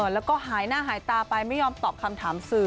แล้วก็หายหน้าหายตาไปไม่ยอมตอบคำถามสื่อ